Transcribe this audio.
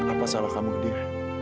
apa salah kamu dia